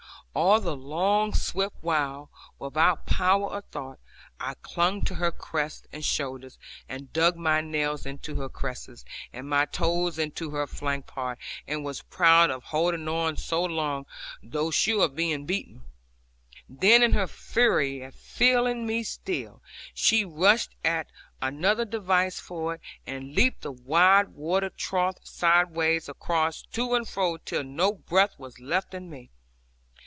All the long swift while, without power of thought, I clung to her crest and shoulders, and dug my nails into her creases, and my toes into her flank part, and was proud of holding on so long, though sure of being beaten. Then in her fury at feeling me still, she rushed at another device for it, and leaped the wide water trough sideways across, to and fro, till no breath was left in me.